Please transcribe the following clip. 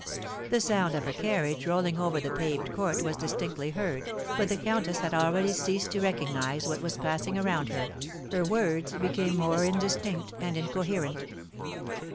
The sound of a carriage rolling over the paved court was distinctly heard, but the countess had already ceased to recognise what was passing around her, her words became more indistinct and incoherent.